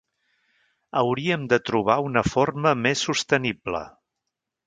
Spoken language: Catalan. Hauríem de trobar una forma més sostenible.